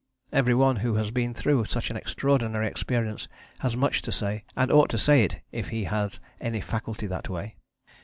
Every one who has been through such an extraordinary experience has much to say, and ought to say it if he has any faculty that way.